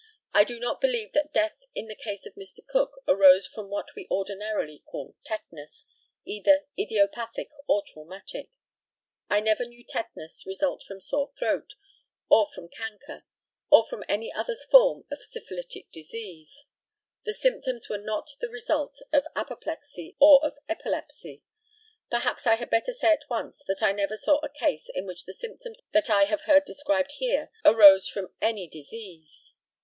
I do not believe that death in the case of Mr. Cook arose from what we ordinarily call tetanus either idiopathic or traumatic. I never knew tetanus result from sore throat, or from a chancre, or from any other form of syphilitic disease. The symptoms were not the result either of apoplexy or of epilepsy. Perhaps I had better say at once that I never saw a case in which the symptoms that I have heard described here arose from any disease.